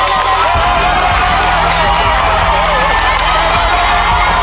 รู้สึกกับเขาเลยมากค่ะ